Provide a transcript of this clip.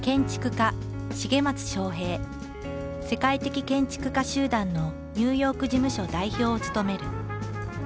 世界的建築家集団のニューヨーク事務所代表を務める。